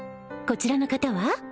こちらの方は？